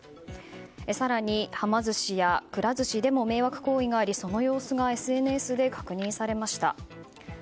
更に、はま寿司や、くら寿司でも迷惑行為がありその様子がＳＮＳで拡散されました。